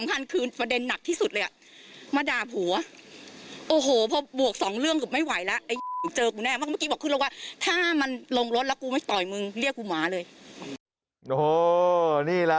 โหนี่แล้วประเด็นหลังนี่แหละ